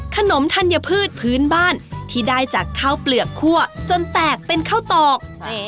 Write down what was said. ธัญพืชพื้นบ้านที่ได้จากข้าวเปลือกคั่วจนแตกเป็นข้าวตอก